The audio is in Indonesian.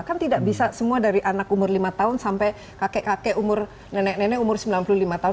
kan tidak bisa semua dari anak umur lima tahun sampai kakek kakek umur nenek nenek umur sembilan puluh lima tahun